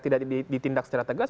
tidak ditindak secara tegas